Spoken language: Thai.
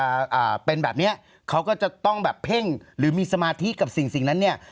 อ่าอ่าเป็นแบบเนี้ยเขาก็จะต้องแบบเพ่งหรือมีสมาธิกับสิ่งสิ่งนั้นเนี้ย